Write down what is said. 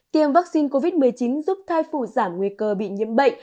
tiêm vaccine covid một mươi chín giúp thai phụ giảm nguy cơ bị nhiễm bệnh